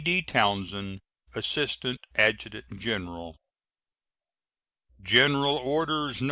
D. TOWNSEND, Assistant Adjutant General. GENERAL ORDERS, No.